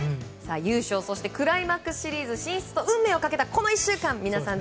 優勝クライマックスシリーズ進出と運命をかけたこの１週間皆さん